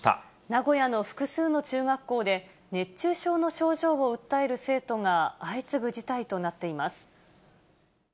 名古屋の複数の中学校で、熱中症の症状を訴える生徒が相次ぐ事態となっています。